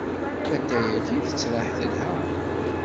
Latay-agi tettraḥ telha.